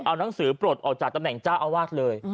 เอานังสือปลดออกจากตำแหน่งเจ้าอาวาสเลย